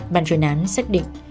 bàn truyền án xác định